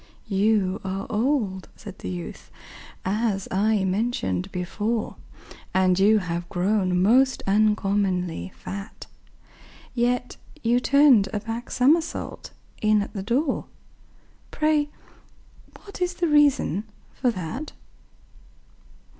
"You are old," said the youth, "as I mentioned before, And you have grown most uncommonly fat; Yet you turned a back somersault in at the door Pray what is the reason for that?"